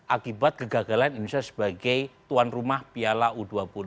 akibat kegagalan indonesia sebagai tuan rumah piala u dua puluh